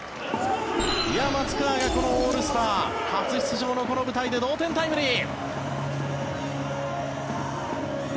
松川が、このオールスター初出場のこの舞台で同点タイムリー。